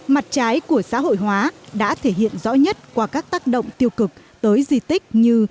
mặt trái của xã hội hóa đã thể hiện rõ nhất qua các tác động tiêu cực tới di tích như